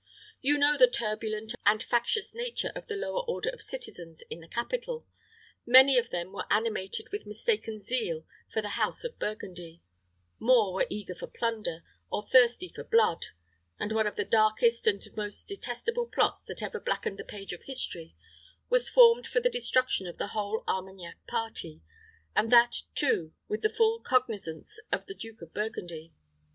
You know the turbulent and factious nature of the lower order of citizens in the capital. Many of them were animated with mistaken zeal for the house of Burgundy; more were eager for plunder, or thirsty for blood; and one of the darkest and most detestable plots that ever blackened the page of history was formed for the destruction of the whole Armagnac party, and that, too, with the full cognizance of the Duke of Burgundy.